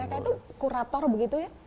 mereka itu kurator begitu ya